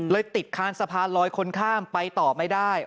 ติดคานสะพานลอยคนข้ามไปต่อไม่ได้